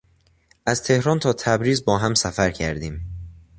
از تهران تا تبریز با هم سفر کردیم.